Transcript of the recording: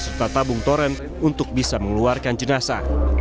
serta tabung toren untuk bisa mengeluarkan jenazah